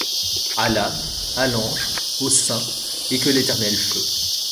À l’âme, à l’ange, aux saints, et que l’éternel feu